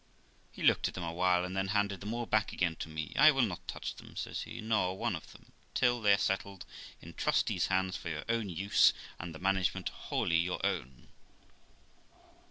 He looked at them awhile, and then handed them all back again to me: 'I will not touch them', says he, 'nor one of them, till they are settled in trustees' hands for your own use, and the management wholly your own.'